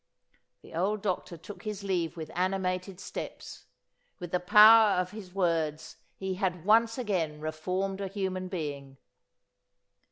The old doctor took his leave with animated steps. With the power of his words he had once again reformed a human being.